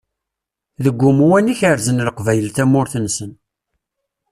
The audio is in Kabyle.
Deg umwan i kerzen Leqbayel tamurt-nsen.